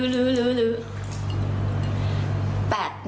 ลื้อ